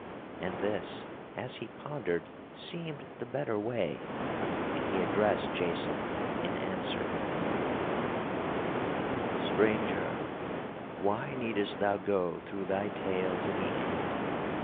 And this, as he pondered, seemed the better way, and he addressed Jason in answer: "Stranger, why needest thou go through thy tale to the end?